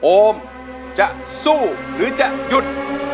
โอมจะสู้หรือจะหยุด